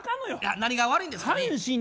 何が悪いんですかね？